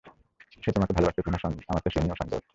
সে তোমাকে ভালোবাসত কিনা, আমার তো সে নিয়েও সন্দেহ হয়।